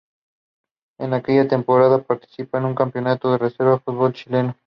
En aquella temporada participa en el Campeonato de Reserva Fútbol Chileno.